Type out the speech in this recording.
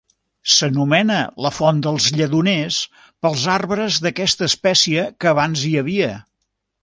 S'anomena la Font dels Lledoners pels arbres d'aquesta espècie que abans hi havia.